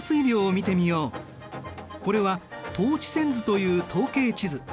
これは等値線図という統計地図。